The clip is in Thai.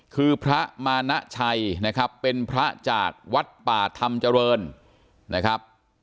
คือพระมานะชัยนะครับเป็นพระจากวัดป่าธรรมเจริญนะครับ